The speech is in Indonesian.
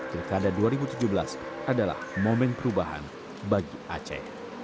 pilkada dua ribu tujuh belas adalah momen perubahan bagi aceh